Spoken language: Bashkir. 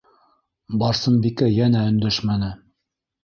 Барсынбикә йәнә өндәшмәне.